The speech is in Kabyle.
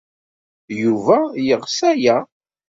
Yuba yeɣs aya.